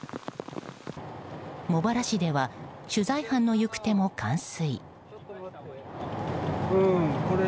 茂原市では取材班の行く手も冠水。